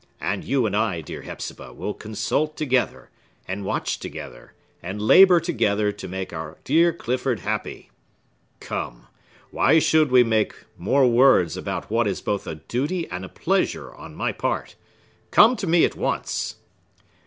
And you and I, dear Hepzibah, will consult together, and watch together, and labor together, to make our dear Clifford happy. Come! why should we make more words about what is both a duty and a pleasure on my part? Come to me at once!"